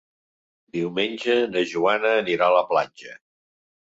Diumenge na Joana anirà a la platja.